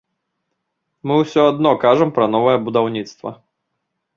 Мы ўсё адно кажам пра новае будаўніцтва.